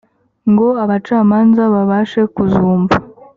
ngo abacamanza babashe kuzumva